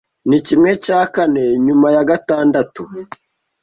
Ni kimwe cya kane nyuma ya gatandatu.